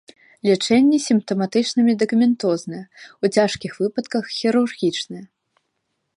Лячэнне сімптаматычна-медыкаментознае, у цяжкіх выпадках хірургічнае.